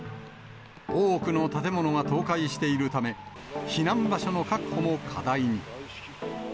多くの建物が倒壊しているため、避難場所の確保も課題に。